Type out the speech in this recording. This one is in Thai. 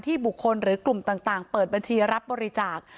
บุคคลหรือกลุ่มต่างเปิดบัญชีรับบริจาค